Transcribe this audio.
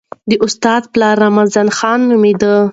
د استاد پلار رمضان خان نومېده.